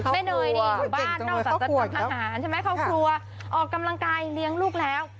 เนยนี่อยู่บ้านนอกจากทหารใช่ไหมครอบครัวออกกำลังกายเลี้ยงลูกแล้ว